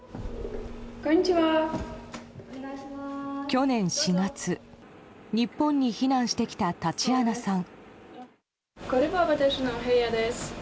去年４月、日本に避難してきたタチアナさん。